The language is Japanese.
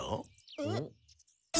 えっ？